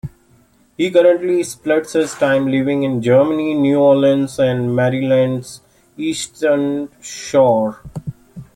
He currently splits his time living in Germany, New Orleans, and Maryland's Eastern Shore.